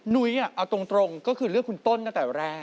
นุ้ยเอาตรงก็คือเลือกคุณต้นตั้งแต่แรก